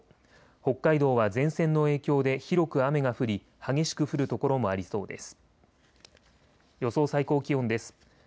北海道は前線の影響で広く雨が降り激しく降る所もありそうです。